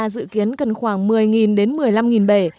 dự kiến cần khoảng một mươi đến một mươi năm bể